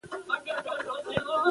په افغانستان کې غزني ډېر اهمیت لري.